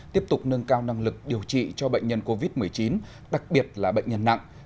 tiếp tục nâng cao năng lực điều trị cho bệnh nhân covid một mươi chín đặc biệt là bệnh nhân nặng